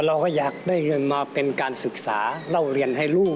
เราก็อยากได้เงินมาเป็นการศึกษาเล่าเรียนให้ลูก